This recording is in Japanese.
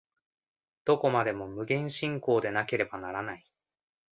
どこまでも無限進行でなければならない。